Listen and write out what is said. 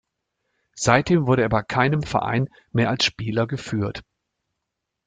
Seitdem wurde er bei keinem Verein mehr als Spieler geführt.